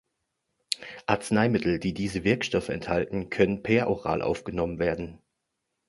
Arzneimittel, die diese Wirkstoffe enthalten, können peroral aufgenommen werden.